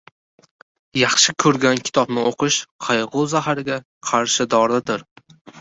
Yaxshi ko‘rgan kitobni o‘qish qayg‘u zahariga qarshi doridir.